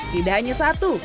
tidak hanya satu